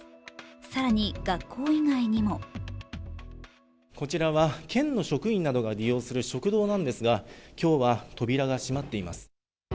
更に学校以外にもこちらは県の職員などが利用する食堂なんですが今日は扉が閉まっています。